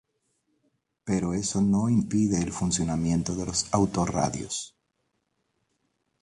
Pero eso no impide el funcionamiento de los auto-radios.